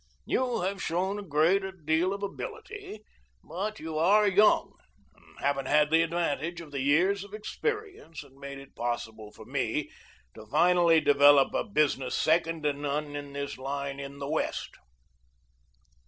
You have shown a great deal of ability, but you are young and haven't had the advantage of the years of experience that made it possible for me to finally develop a business second to none in this line in the West.